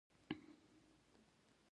موږ د مېږي مرګ نشو کتلی خو انسان وسوځېد